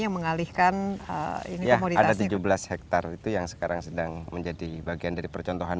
yang mengalihkan ada tujuh belas hektare itu yang sekarang sedang menjadi bagian dari percontohan